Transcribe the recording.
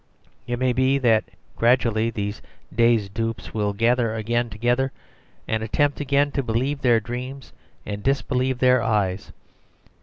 It may be that gradually these dazed dupes will gather again together, and attempt again to believe their dreams and disbelieve their eyes.